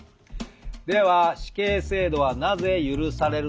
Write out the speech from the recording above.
「では死刑制度はなぜ許されるのでしょうか？」。